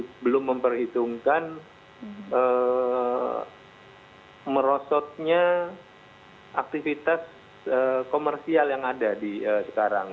kita belum memperhitungkan merosotnya aktivitas komersial yang ada sekarang